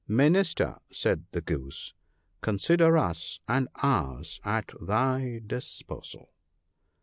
'Minister,' said the Goose, 'consider us and ours at thy disposal.'